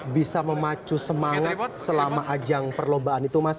bisa memacu semangat selama ajang perlombaan itu mas